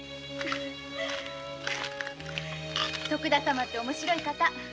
徳田様って面白いお方。